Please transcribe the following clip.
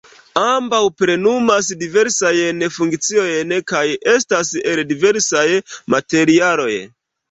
Ambaŭ plenumas diversajn funkciojn kaj estas el diversaj materialoj.